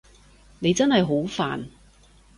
你真係好煩